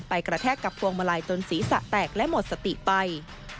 กระแทกกับพวงมาลัยจนศีรษะแตกและหมดสติไป